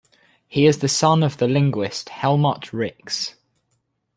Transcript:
He is the son of the linguist Helmut Rix.